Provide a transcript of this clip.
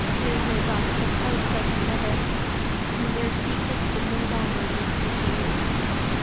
They were thus surprised by her mother, and their secret could no longer be concealed.